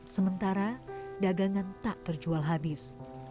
sementara dagangan tak terjual habis